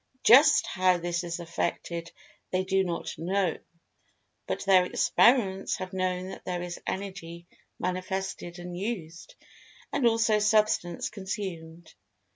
Just how this is effected, they do not know, but their experiments have shown that there is Energy manifested and used, and also Substance consumed.